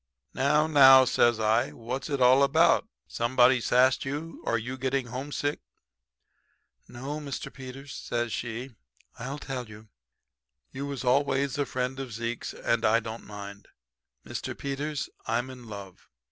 "'Now, now,' says I, 'what's it all about? Somebody sassed you or you getting homesick?' "'No, Mr. Peters,' says she. 'I'll tell you. You was always a friend of Zeke's, and I don't mind. Mr. Peters, I'm in love.